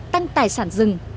tăng tài sản rừng